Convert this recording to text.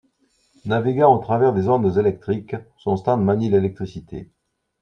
Naviguant au travers des ondes électriques, son stand manie l'électricité.